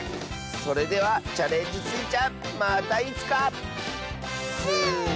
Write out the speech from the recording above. それでは「チャレンジスイちゃん」またいつか！スイスーイ！